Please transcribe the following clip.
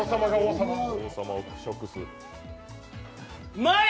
うまい！